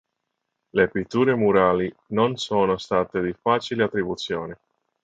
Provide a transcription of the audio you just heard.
Le pitture murali non sono state di facili attribuzione.